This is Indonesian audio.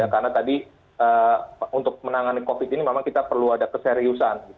karena tadi untuk menangani covid ini memang kita perlu ada keseriusan